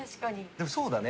でもそうだね。